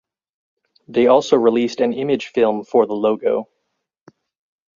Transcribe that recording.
They also released an image film for the logo.